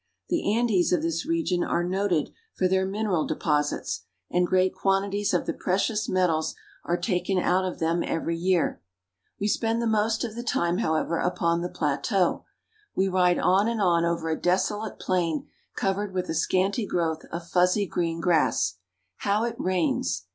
The Andes of this region are noted for their mineral de 74 PERU. posits, and great quantities of the precious metals are taken out of them every year. We spend the most of the time, however, upon the pla teau. We ride on and on over a desolate plain covered with a scanty growth of fuzzy green grass. How it rains